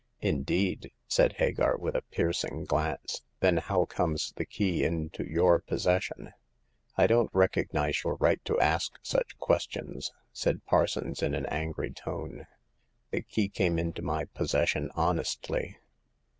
" Indeed !" said Hagar, with a piercing glance. "Then how comes the key into your possession ?"I don't recognize your right to ask such questions," said Parsons, in an angry tone. The key came into my possession honestly."